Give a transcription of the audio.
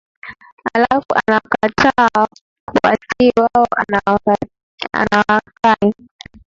halafu anakataa kuwatii wao anawakai